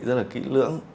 rất là kỹ lưỡng